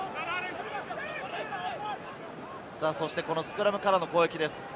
スクラムからの攻撃です。